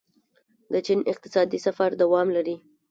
د چین اقتصادي سفر دوام لري.